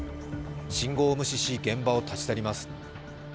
信号を無視し、現場を立ち去ります。